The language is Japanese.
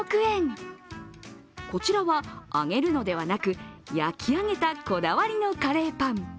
こちらは揚げるのではなく焼き上げた、こだわりのカレーパン。